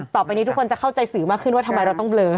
ต่อไปนี้ทุกคนจะเข้าใจสื่อมากขึ้นว่าทำไมเราต้องเบลอ